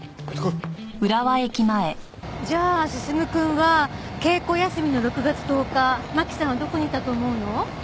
じゃあ進くんは稽古休みの６月１０日マキさんはどこにいたと思うの？